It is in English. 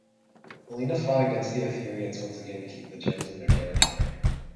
Alena fought against the Etherians once again to keep the gems in their territory.